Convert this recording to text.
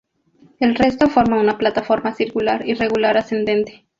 El resto forma una plataforma circular irregular ascendente.